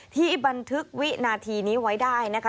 ที่บันทึกวินาทีนี้ไว้ได้นะคะ